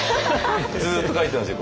ずっと書いてますよ